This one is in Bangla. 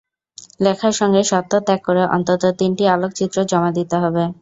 লেখার সঙ্গে স্বত্ব ত্যাগ করে অন্তত তিনটি আলোকচিত্রও জমা দিতে হবে।